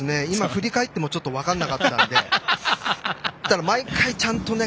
振り返っても分からなかったので。